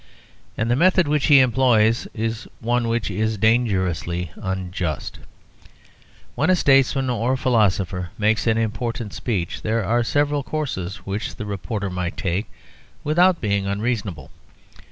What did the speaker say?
And the method which he employs is one which is dangerously unjust. When a statesman or philosopher makes an important speech, there are several courses which the reporter might take without being unreasonable.